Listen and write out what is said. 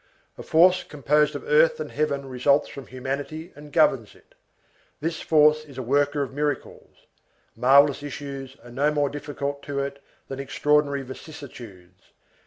A force composed of earth and heaven results from humanity and governs it; this force is a worker of miracles; marvellous issues are no more difficult to it than extraordinary vicissitudes.